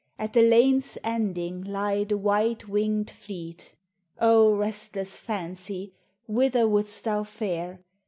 At the lane's ending lie the white winged fleet. O restless Fancy, whither wouldst thou fare